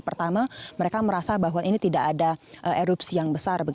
pertama mereka merasa bahwa ini tidak ada erupsi yang besar